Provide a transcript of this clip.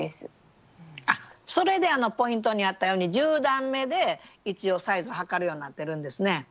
あっそれでポイントにあったように１０段めで一応サイズを測るようになってるんですね。